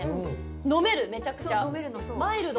飲めるめちゃくちゃマイルド。